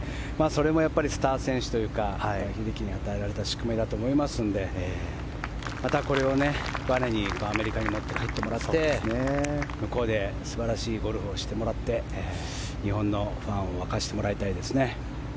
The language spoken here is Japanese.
それもスター選手というか英樹に与えられた宿命だと思いますのでまたこれをばねにアメリカに持って帰ってもらって向こうで素晴らしいゴルフをしてもらって日本のファンを沸かせてもらいたいですね。